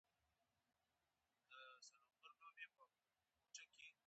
بیک اپ اخلئ؟